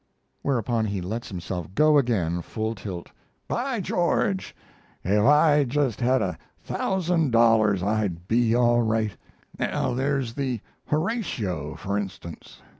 Whereupon, he lets himself go again, full tilt: By George, if I just had a thousand dollars I'd be all right! Now there's the "Horatio," for instance.